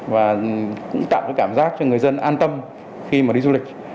và cũng tạo cái cảm giác cho người dân an tâm khi mà đi du lịch